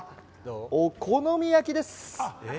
お好み焼きです。